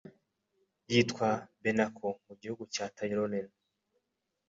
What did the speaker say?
Yitwa Benaco mu gihugu cya Tyrolean